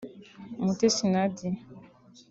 Umutesi Nadia